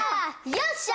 よっしゃ！